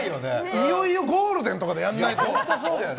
いよいよゴールデンとかでやらないと。